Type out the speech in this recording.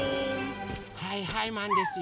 はいはいマンですよ！